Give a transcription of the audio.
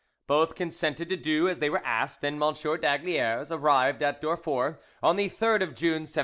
Both consented to do as they were asked, and M. d'Aygaliers arrived at Durfort on the 3rd of June 1704.